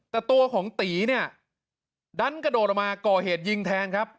แต่ตัวของตีเนี่ยดันกระโดดออกมาก่อเหตุยิงแทนครับ